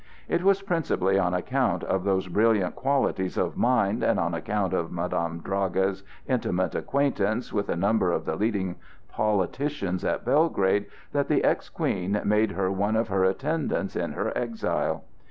It was principally on account of those brilliant qualities of mind, and on account of Madame Draga's intimate acquaintance with a number of the leading politicians at Belgrade that the ex Queen made her one of her attendants in her exile.